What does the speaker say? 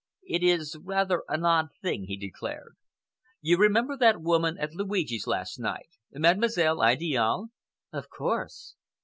"It is rather an odd thing," he declared. "You remember that woman at Luigi's last night—Mademoiselle Idiale?" "Of course."